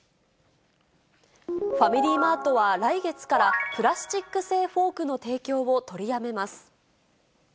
ファミリーマートは来月からプラスチック製フォークの提供を取りやめます。